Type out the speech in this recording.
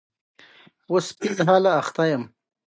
شخصیت جوړونه د فرد د ټولنیزې اړیکو په پراختیا کې مرسته کوي.